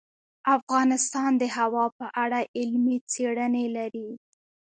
افغانستان د هوا په اړه علمي څېړنې لري.